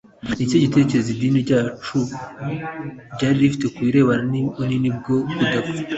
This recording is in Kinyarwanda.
ni ikihe gitekerezo idini rya tao ryari rifite ku birebana n’‘ibinini byo kudapfa’?